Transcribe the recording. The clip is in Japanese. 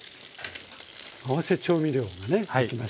合わせ調味料がね出来ましたが。